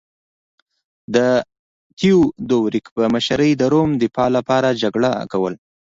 د تیودوریک په مشرۍ د روم دفاع لپاره جګړه کوله